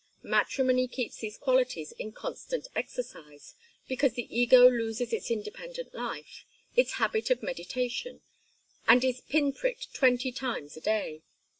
Matrimony keeps these qualities in constant exercise, because the ego loses its independent life, its habit of meditation, and is pin pricked twenty times a day.